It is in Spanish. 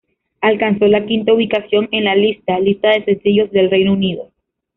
Alcanzó la quinta ubicación en la lista lista de sencillos del Reino Unido.